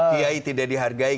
kiai tidak dihargai